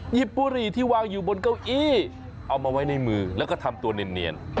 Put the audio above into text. บุหรี่ที่วางอยู่บนเก้าอี้เอามาไว้ในมือแล้วก็ทำตัวเนียน